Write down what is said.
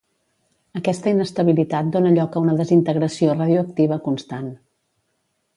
Aquesta inestabilitat dóna lloc a una desintegració radioactiva constant.